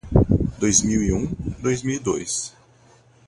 Dois mil e um, dois mil e dois